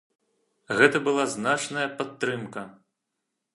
Гэта была значная падтрымка.